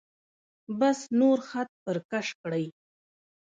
بس نور خط پر کش کړئ.